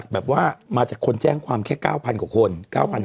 คือคือคือคือคือคือ